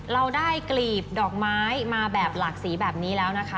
เราได้กลีบดอกไม้มาแบบหลากสีแบบนี้แล้วนะคะ